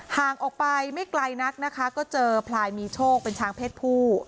ห่างออกไปไม่ไกลนักนะคะก็เจอพลายมีโชคเป็นช้างเพศผู้